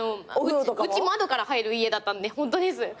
うち窓から入る家だったんでホントです。